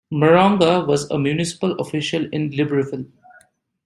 Maronga was a municipal official in Libreville.